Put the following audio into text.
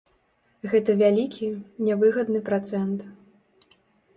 Гэта вялікі, нявыгадны працэнт.